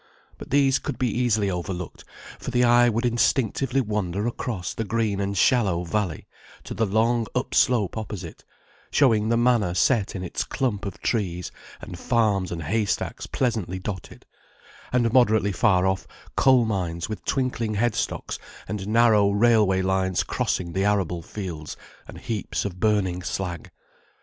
But these could be easily overlooked, for the eye would instinctively wander across the green and shallow valley, to the long upslope opposite, showing the Manor set in its clump of trees, and farms and haystacks pleasantly dotted, and moderately far off coal mines with twinkling headstocks and narrow railwaylines crossing the arable fields, and heaps of burning slag.